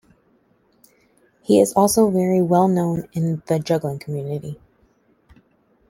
He is also very well known in the juggling community.